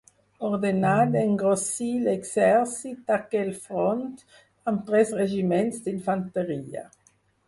Ordenà d'engrossir l'exèrcit d'aquell front amb tres regiments d'infanteria.